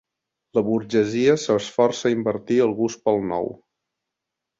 La burgesia s'esforça a invertir el gust pel nou.